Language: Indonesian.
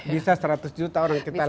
bisa seratus juta orang kita lihat